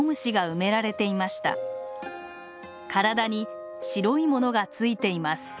体に白いものがついています。